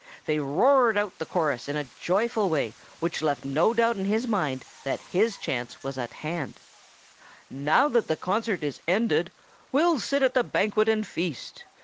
They roared out the chorus in a joyful way which left no doubt in his mind that his chance was at hand: "Now that the concert is ended We'll sit at the banquet and feast.